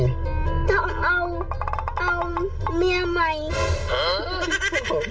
ต้องเอาเมียใหม่